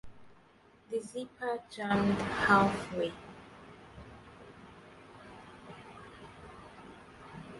The zipper jammed halfway.